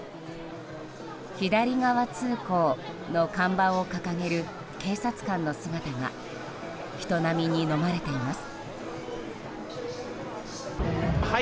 左側通行の看板を掲げる警察官の姿が人波にのまれています。